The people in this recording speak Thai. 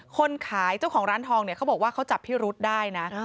คนขายเจ้าของร้านทองเนี่ยเขาบอกว่าเขาจับพิรุษได้นะ